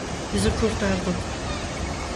Bizi kurtardın.